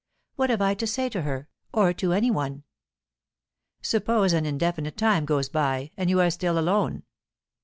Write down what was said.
What have I to say to her, or to any one?" "Suppose an indefinite time goes by, and you are still alone?"